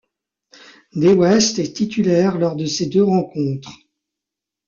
Dewaest est titulaire lors de ces deux rencontres.